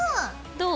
どう？